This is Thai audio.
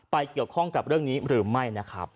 ไปเกี่ยวข้องกับเรื่องนี้หรือไม่